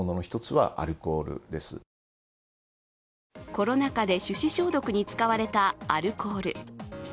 コロナ禍で手指消毒に使われたアルコール。